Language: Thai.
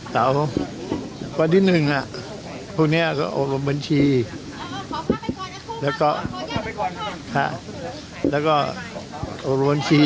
เสาร์วันที่หนึ่งอ่ะพรุ่งเนี้ยก็โอบบัญชีแล้วก็ค่ะแล้วก็โอบบัญชี